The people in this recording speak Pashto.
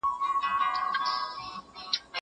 زه اجازه لرم چي کتابونه وړم!!